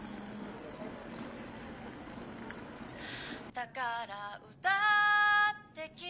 「だから歌ってきた」